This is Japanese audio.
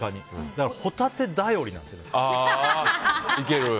だから、ホタテ頼りなんですよ。